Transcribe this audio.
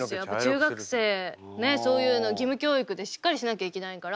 中学生ねそういうの義務教育でしっかりしなきゃいけないから。